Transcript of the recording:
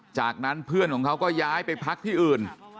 จากนั้นเพื่อนของเขาก็ย้ายไปพักที่อื่น